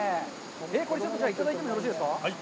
これ、ちょっといただいてもよろしいですか？